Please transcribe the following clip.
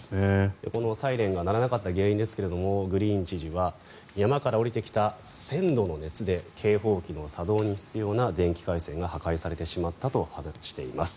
サイレンが鳴らなかった原因ですがグリーン知事は山から下りてきた１０００度の熱で警報機の作動に必要な電気回線が破壊されてしまったと話しています。